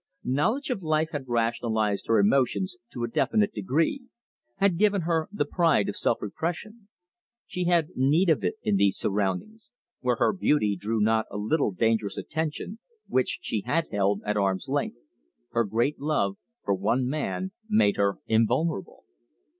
Knowledge of life had rationalised her emotions to a definite degree, had given her the pride of self repression. She had had need of it in these surroundings, where her beauty drew not a little dangerous attention, which she had held at arm's length her great love for one man made her invulnerable.